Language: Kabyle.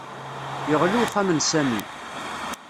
Yeɣli uxxam n Sami